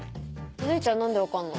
お姉ちゃん何で分かんの？